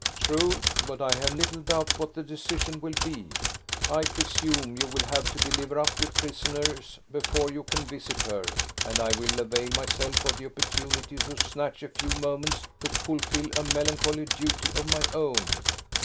"True! But I have little doubt what that decision will be! I presume you will have to deliver up your prisoners before you can visit her, and I will avail myself of the opportunity to snatch a few moments to fulfill a melancholy duty of my own."